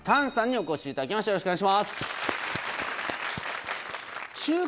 よろしくお願いします。